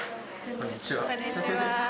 こんにちは。